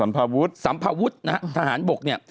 สัมภาวุธนะครับทหารบกเนี่ย